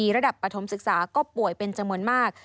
ระดับปฐมศึกษาก็ป่วยเป็นจำนวนมาก